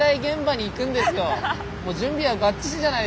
もう準備はバッチシじゃないですか！